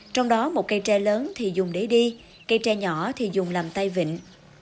trong đó một cây tre lớn thì dùng để đi cây tre nhỏ thì dùng làm tay vịnh